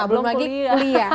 belum lagi kuliah